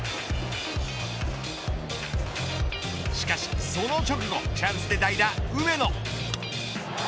しかし、その直後チャンスで代打、梅野。